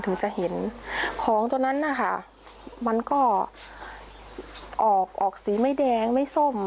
ถึงจะเห็นของตัวนั้นนะคะมันก็ออกออกสีไม่แดงไม่ส้ม